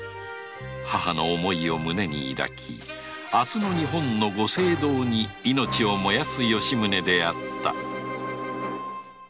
母の思いを胸に抱き明日の日本のご政道に命を燃やす吉宗であった